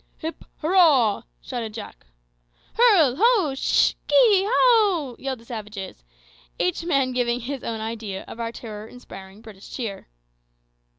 "Hip, hurrah!" shouted Jack. "Hurl! ho! sh! kee! how!" yelled the savages, each man giving his own idea of our terror inspiring British cheer.